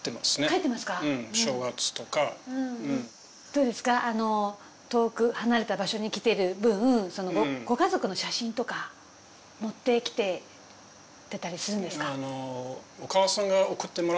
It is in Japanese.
どうですかあの遠く離れた場所に来てるぶんご家族の写真とか持ってきてたりするんですか？